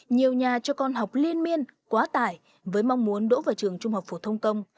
nhiều nhà cho con học liên miên quá tải với mong muốn đổ vào trường trung học phổ thông công